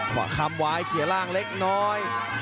ขวาคำวายเขียร่างเล็กน้อย